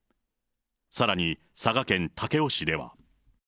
さらに佐賀県武雄市では。